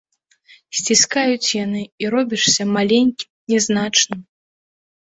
Сціскаюць яны, і робішся маленькім, нязначным.